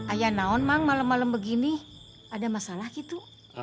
ayah naon mang malam malam begini ada masalah gitu